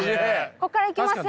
こっからいきますよ。